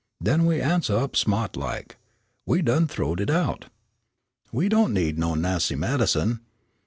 Den we answeh up sma't like: 'We done th'owed it out. We don' need no nassy medicine.'